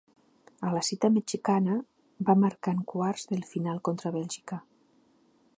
A la cita mexicana, va marcar en quarts de final contra Bèlgica.